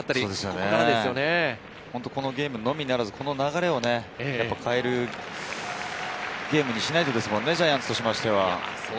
このゲームのみならず、この流れを変えるゲームにしないとですもんね、ジャイアンツとしては。